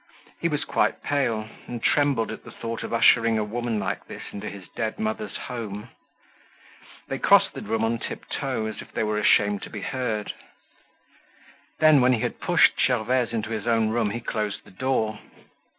He was quite pale, and trembled at the thought of ushering a woman like this into his dead mother's home. They crossed the room on tip toe, as if they were ashamed to be heard. Then when he had pushed Gervaise into his own room he closed the door.